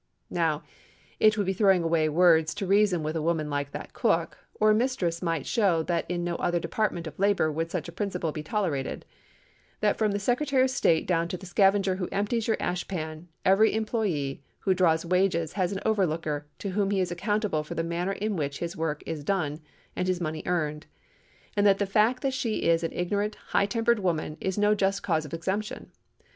'" Now, it would be throwing away words to reason with a woman like that cook, or a mistress might show that in no other department of labor would such a principle be tolerated—that from the Secretary of State down to the scavenger who empties your ash pan, every employé who draws wages has an overlooker, to whom he is accountable for the manner in which his work is done and his money earned; and that the fact that she is an ignorant, high tempered woman is no just cause of exemption.